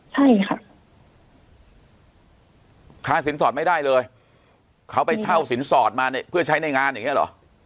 ใช่ค่ะค่าสินสอดไม่ได้เลยเขาไปเช่าสินสอดมาเนี่ยเพื่อใช้ในงานอย่างเงี้เหรอ